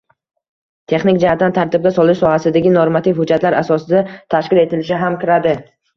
texnik jihatdan tartibga solish sohasidagi normativ hujjatlar asosida tashkil etilishi ham kiradi.